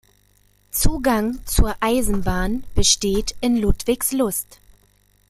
Zugang zur Eisenbahn besteht in Ludwigslust.